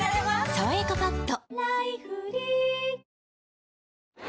「さわやかパッド」